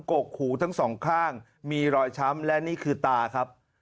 กกหูทั้งสองข้างมีรอยช้ำและนี่คือตาครับ